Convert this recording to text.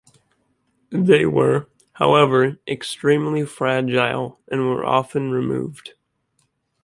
They were, however, extremely fragile and were often removed.